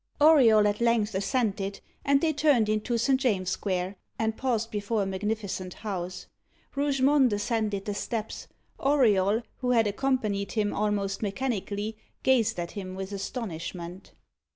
Auriol at length assented, and they turned into Saint James's Square, and paused before a magnificent house. Rougemont ascended the steps. Auriol, who had accompanied him almost mechanically, gazed at him with astonishment.